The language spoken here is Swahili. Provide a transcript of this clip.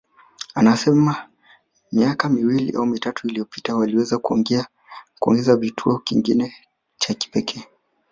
Anasema miaka miwili au mitatu iliyopita waliweza kuongeza kivutio kingine cha kipekee